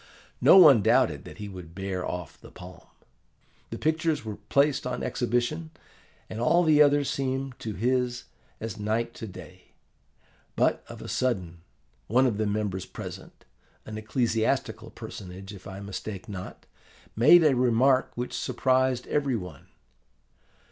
No one doubted that he would bear off the palm. The pictures were placed on exhibition, and all the others seemed to his as night to day. But of a sudden, one of the members present, an ecclesiastical personage if I mistake not, made a remark which surprised every one.